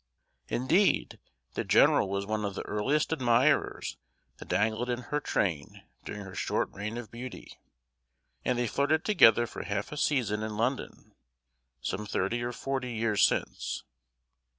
Indeed, the general was one of the earliest admirers that dangled in her train during her short reign of beauty; and they flirted together for half a season in London, some thirty or forty years since.